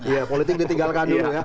iya politik ditinggalkan dulu ya